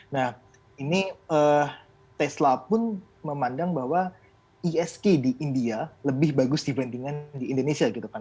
nah ini tesla pun memandang bahwa isg di india lebih bagus dibandingkan di indonesia gitu kan